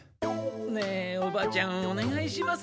ねえおばちゃんおねがいしますよ。